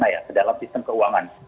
karena ya dalam sistem keuangan